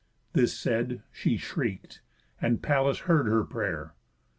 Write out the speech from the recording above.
This said, she shriek'd, and Pallas heard her pray'r.